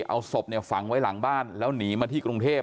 เอาศพเนี่ยฝังไว้หลังบ้านแล้วหนีมาที่กรุงเทพ